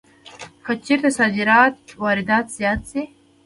که چېرې صادرات له وارداتو څخه زیات شي